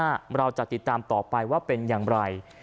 ตามคืบหน้าเราจะติดตามต่อไปว่าเป็นอย่างไร